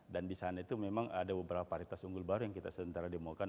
dan disana itu memang ada beberapa paritas unggul baru yang kita sedentara demokan